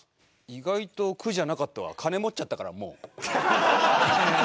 「意外と苦じゃなかったわ金持っちゃったからもう」。